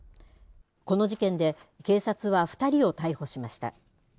この事件で警察は２人を逮捕しました。